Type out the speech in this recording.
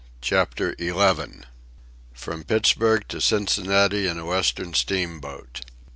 CHAPTER XI FROM PITTSBURG TO CINCINNATI IN A WESTERN STEAMBOAT.